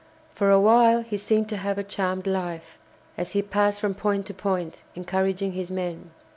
For a while he seemed to have a charmed life, as he passed from point to point, encouraging his men.